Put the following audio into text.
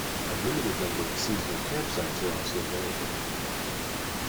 A limited number of seasonal campsites are also available.